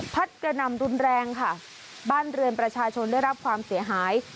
กระนำรุนแรงค่ะบ้านเรือนประชาชนได้รับความเสียหาย